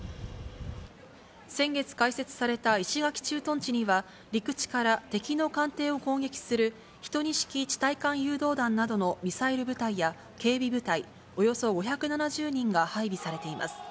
先月開設された石垣駐屯地には、陸地から敵の艦艇を攻撃する１２式地対艦誘導弾などのミサイル部隊や、警備部隊およそ５７０人が配備されています。